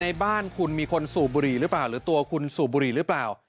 ในบ้านคุณมีคนสูบบุหรี่หรือเปล่าหรือตัวคุณสูบบุหรี่หรือเปล่า